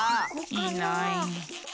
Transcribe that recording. いない。